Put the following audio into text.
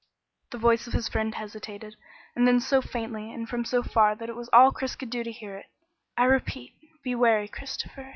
The voice of his friend hesitated, and then said so faintly and from so far that it was all Chris could do to hear it: "I repeat, be wary, Christopher.